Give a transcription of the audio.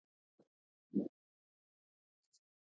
افغانستان د بادامو په برخه کې له نړیوالو بنسټونو سره دی.